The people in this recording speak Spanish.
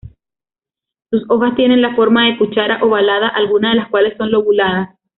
Sus hojas tienen la forma de cuchara, ovalada, algunas de las cuales son lobuladas.